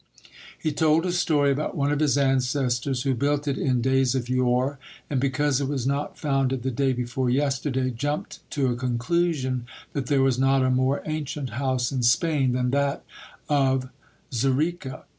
He told a story about one of his ancestors who built it in days of yore, and because it was not founded the day before yesterday, jumped to a conclusion that there was not a more ancient house in Spain than that of Xerica.